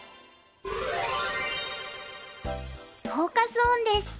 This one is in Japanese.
フォーカス・オンです。